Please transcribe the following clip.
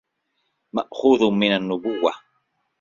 مَأْخُوذٌ مِنْ النَّبْوَةِ